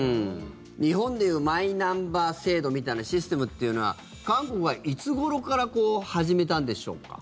日本でいうマイナンバー制度みたいなシステムというのは韓国はいつごろから始めたんでしょうか。